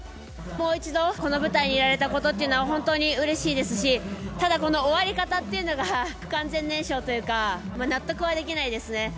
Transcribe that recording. もう一度、この舞台に出られたことというのは本当にうれしいですし、ただ、この終わり方っていうのが、不完全燃焼というか、納得はできないですね。